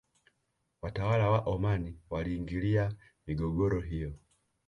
Watawala wa omani waliingilia migogoro hiyo